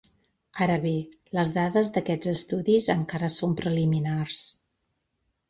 Ara bé, les dades d’aquests estudis encara són preliminars.